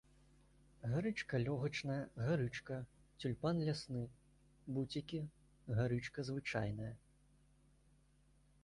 Гарычка лёгачная, гарычка, цюльпан лясны, буцікі, гарычка звычайная.